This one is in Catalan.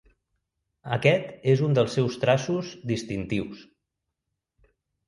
Aquest és un dels seus traços distintius.